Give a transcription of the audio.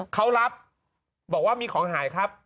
เขารับบอกว่ามีของหายครับ